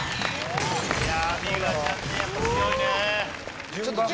いやあ三浦ちゃんねやっぱ強いね。